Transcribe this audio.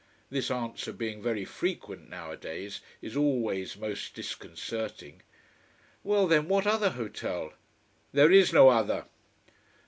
This answer, being very frequent nowadays, is always most disconcerting. "Well then, what other hotel?" "There is no other."